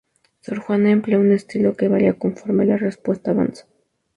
Sor Juana emplea un estilo que varía conforme la "Respuesta" avanza.